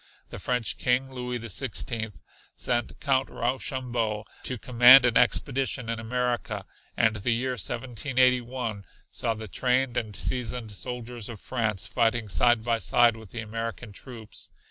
The French King, Louis the Sixteenth, sent Count Rochambeau to command an expedition in America, and the year 1781 saw the trained and seasoned soldiers of France fighting side by side with the American troops.